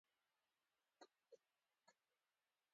چې د يوځای کېدو په شپه دې د ورور په کوټه کې پټ شه.